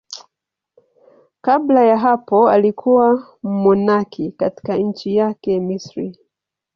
Kabla ya hapo alikuwa mmonaki katika nchi yake, Misri.